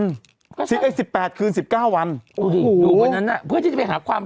ก็ใช่สิบแปดคืนสิบเก้าวันโอ้โหเพื่อที่จะไปหาความรัก